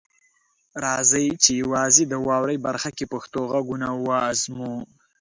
راځئ چې یوازې د "واورئ" برخه کې پښتو غږونه وازموو.